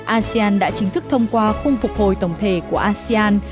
asean đã chính thức thông qua khung phục hồi tổng thể của asean